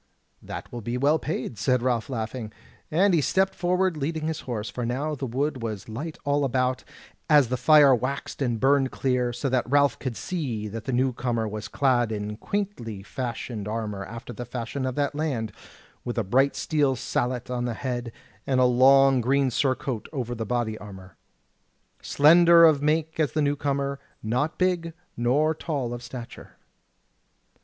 "That will be well paid," said Ralph laughing, and he stepped forward leading his horse, for now the wood was light all about, as the fire waxed and burned clear; so that Ralph could see that the new comer was clad in quaintly fashioned armour after the fashion of that land, with a bright steel sallet on the head, and a long green surcoat over the body armour. Slender of make was the new comer, not big nor tall of stature.